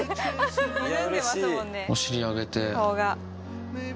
お尻上げて。